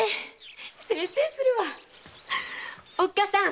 おっかさん